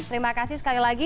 terima kasih sekali lagi